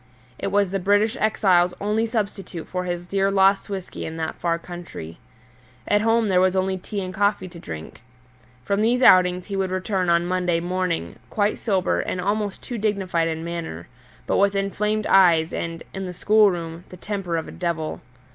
It was the British exile's only substitute for his dear lost whisky in that far country. At home there was only tea and coffee to drink. From these outings he would return on Monday morning, quite sober and almost too dignified in manner, but with inflamed eyes and (in the schoolroom) the temper of a devil.